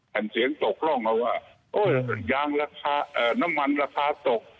แผ่นเสียงตกลองแล้วว่าน้ำมันราคาตก